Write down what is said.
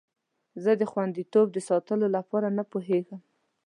زه د خوندیتوب د ساتلو لپاره نه پوهیږم.